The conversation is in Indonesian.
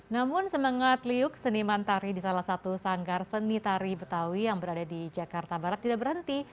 namun semangat liuk seniman tari di salah satu sanggar seni tari betawi yang berada di jakarta barat tidak berhenti